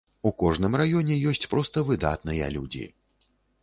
У кожным раёне ёсць проста выдатныя людзі.